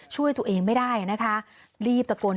ความอยู่ในห้องนามมันน่ะ